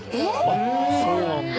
あっそうなんだ。